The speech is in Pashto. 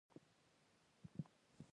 څه ووایم؟!